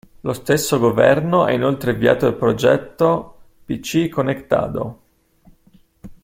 Lo stesso governo ha inoltre avviato il progetto "PC Conectado".